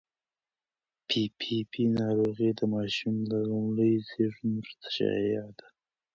پي پي پي ناروغي د ماشوم د لومړي زېږون وروسته شایع ده.